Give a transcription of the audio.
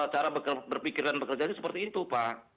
cara berpikiran bekerja seperti itu pak